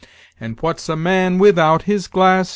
"And what's a man without his glass.